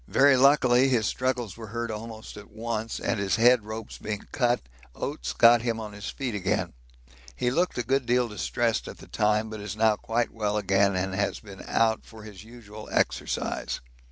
Very luckily his struggles were heard almost at once, and his head ropes being cut, Oates got him on his feet again. He looked a good deal distressed at the time, but is now quite well again and has been out for his usual exercise.